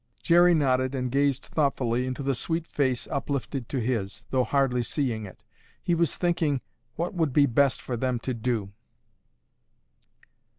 Jerry nodded and gazed thoughtfully into the sweet face uplifted to his, though hardly seeing it. He was thinking what would be best for them to do.